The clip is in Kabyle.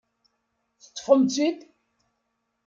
Teṭṭfem-tt-id?